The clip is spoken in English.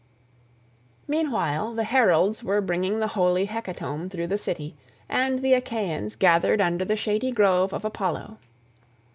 Meanwhile the heralds were bringing the holy hecatomb through the city, and the Achaeans gathered under the shady grove of Apollo.